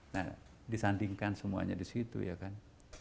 nah disandingkan semuanya di situ ya kan